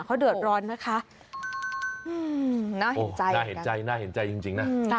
เขาเดินร้อนนะคะอืมน่าเห็นใจจริงจริงน่ะอืม